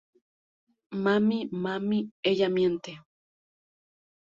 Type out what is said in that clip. ¡ Mami! ¡ mami! ¡ ella miente!